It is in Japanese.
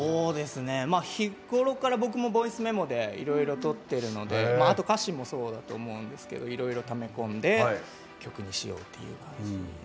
日頃から僕もボイスメモでいろいろとってるのであと、歌詞もそうだと思うんですけどいろいろため込んで曲にしようっていう感じですね。